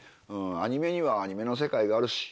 アニメにはアニメの世界があるし。